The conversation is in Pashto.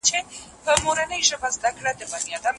زه او ته دواړه ښکاریان یو د عمرونو